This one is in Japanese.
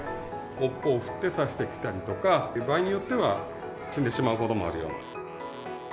尾っぽを振って刺してきたりとか、場合によっては死んでしまうこともあるような。